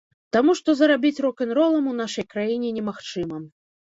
Таму што зарабіць рок-н-ролам у нашай краіне немагчыма.